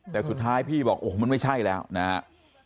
แต่สุดท้ายพี่บอกโอ้โหมันไม่ใช่แล้วนะครับ